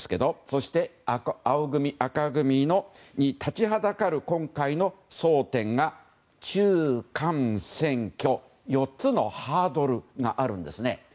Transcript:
そして、青組・赤組に立ちはだかる今回の争点が「中」、「間」、「選」、「挙」４つのハードルがあるんですね。